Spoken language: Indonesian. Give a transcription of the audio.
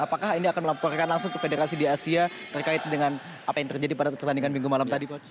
apakah ini akan melaporkan langsung ke federasi di asia terkait dengan apa yang terjadi pada pertandingan minggu malam tadi